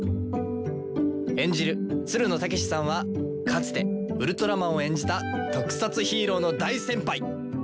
演じるつるの剛士さんはかつてウルトラマンを演じた特撮ヒーローの大先輩！